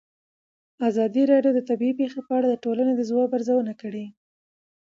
ازادي راډیو د طبیعي پېښې په اړه د ټولنې د ځواب ارزونه کړې.